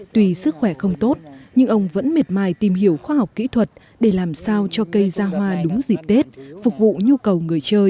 tuy sức khỏe không tốt nhưng ông vẫn miệt mài tìm hiểu khoa học kỹ thuật để làm sao cho cây ra hoa đúng dịp tết phục vụ nhu cầu người chơi